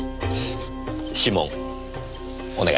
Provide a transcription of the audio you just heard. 指紋お願いします。